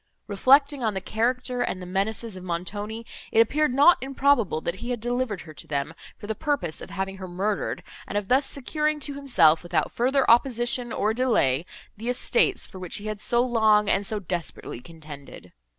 Reflecting on the character and the menaces of Montoni, it appeared not improbable, that he had delivered her to them, for the purpose of having her murdered, and of thus securing to himself, without further opposition, or delay, the estates, for which he had so long and so desperately contended.